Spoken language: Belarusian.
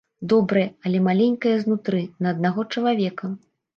Добрая, але маленькая знутры, на аднаго чалавека.